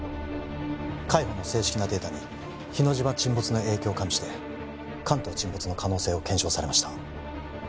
海保の正式なデータに日之島沈没の影響を加味して関東沈没の可能性を検証されました